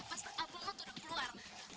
pas albumnya tuh udah keluar